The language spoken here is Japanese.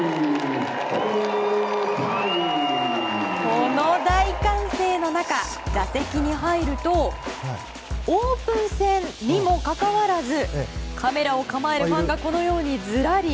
この大歓声の中打席に入るとオープン戦にもかかわらずカメラを構えるファンがこのようにずらり。